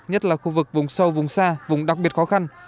nhất là khu vực vùng sâu vùng xa vùng đặc biệt khó khăn